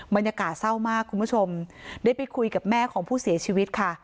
บรรยากาศเศร้ามากคุณผู้ชมได้ไปคุยกับแม่ของผู้เสียชีวิตค่ะ